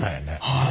はい。